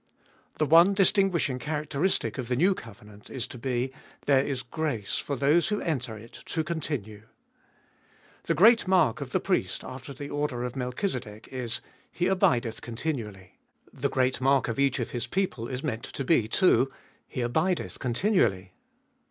The one distinguishing characteristic of the new covenant is to be, There is grace for those who enter it to continue. The great mark of the priest after the order of Melchizedek is — He abideth continually. The great mark of each of His people is meant to be too — He abideth con tinually.